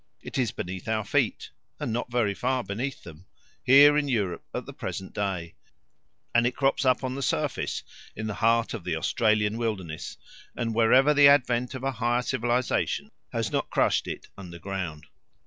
It is beneath our feet and not very far beneath them here in Europe at the present day, and it crops up on the surface in the heart of the Australian wilderness and wherever the advent of a higher civilisation has not crushed it under ground.